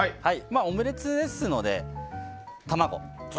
オムレツですので卵。